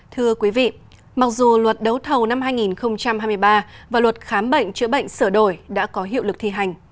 thưa quý vị mặc dù luật đấu thầu năm hai nghìn hai mươi ba và luật khám bệnh chữa bệnh sửa đổi đã có hiệu lực thi hành